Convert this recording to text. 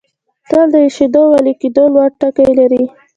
تل د ایشېدو او ویلي کېدو لوړ ټکي لري.